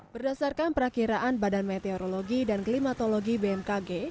berdasarkan perakiraan badan meteorologi dan klimatologi bmkg